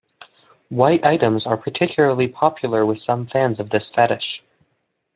White items are particularly popular with some fans of this fetish.